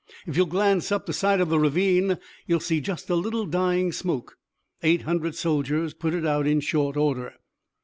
If you'll glance up the side of this ravine you'll see just a little dying smoke. Eight hundred soldiers put it out in short order."